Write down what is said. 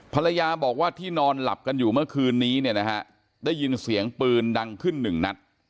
ภรรยาบอกว่าที่นอนหลับกันอยู่เมื่อคืนนี้เนี่ยนะฮะได้ยินเสียงปืนดังขึ้นหนึ่งนัด